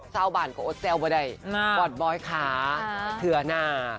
ชาวบ้านก็อดแซวบะใดบอสบอยด์ขาเธอหน่า